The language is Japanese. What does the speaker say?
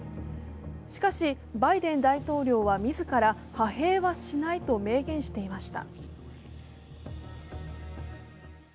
しかしバイデン大統領は自ら派兵はしないと明言していました。